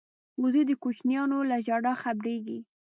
وزې د کوچنیانو له ژړا خبریږي